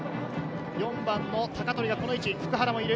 ４番の鷹取がこの位置、普久原もいる。